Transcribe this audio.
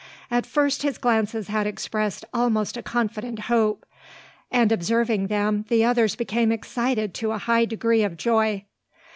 At first his glances had expressed almost a confident hope; and, observing them, the others became excited to a high degree of joy.